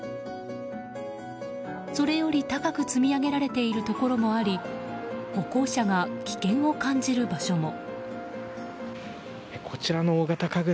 それより高く積み上げられているところもあり歩行者が危険を感じる場所も。